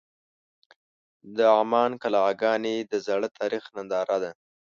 د عمان قلعهګانې د زاړه تاریخ ننداره ده.